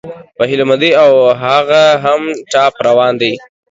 په هيله مندي، او هغه هم ټاپ روان دى